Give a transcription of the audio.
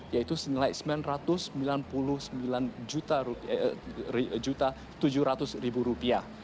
yaitu senilai sembilan ratus sembilan puluh sembilan tujuh ratus rupiah